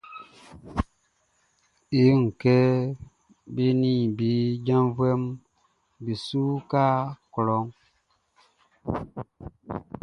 E wun kɛ be nin be janvuɛʼn be su uka klɔʼn.